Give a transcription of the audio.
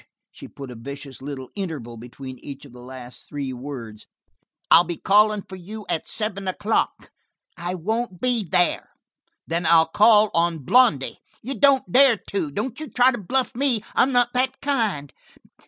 She put a vicious little interval between each of the last three words. "I'll be calling for you at seven o'clock." "I won't be there." "Then I'll call on Blondy." "You don't dare to. Don't you try to bluff me. I'm not that kind."